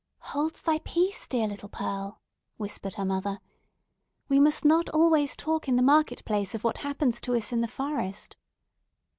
"Hold thy peace, dear little Pearl!" whispered her mother. "We must not always talk in the market place of what happens to us in the forest."